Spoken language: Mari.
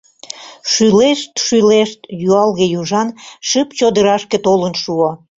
Шӱлешт-шӱлешт, юалге южан шып чодырашке толын шуо.